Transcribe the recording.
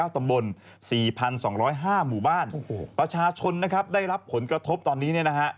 ๕๖๙ตำบล๔๒๐๕หมู่บ้านประชาชนได้รับผลกระทบตอนนี้